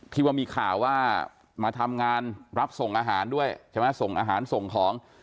ที่ว่ามีข่าวว่ามาทำงานรับส่งอาหารด้วยใช่ไหมส่งอาหารส่งของ